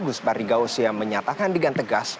gus bardi gaus yang menyatakan dengan tegas